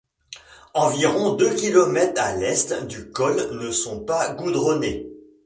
Environ deux kilomètres à l'est du col ne sont pas goudronnés.